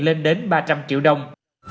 lên đến ba trăm linh triệu đồng